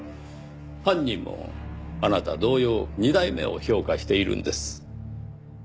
犯人もあなた同様２代目を評価しているんです。